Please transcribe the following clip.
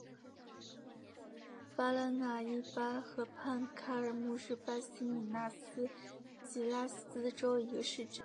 巴拉那伊巴河畔卡尔穆是巴西米纳斯吉拉斯州的一个市镇。